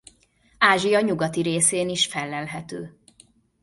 Ázsia nyugati részén is fellelhető.